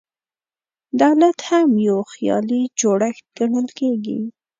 دولت هم یو خیالي جوړښت ګڼل کېږي.